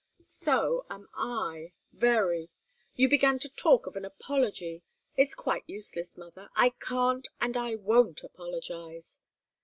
"So am I very. You began to talk of an apology. It's quite useless, mother I can't and I won't apologize."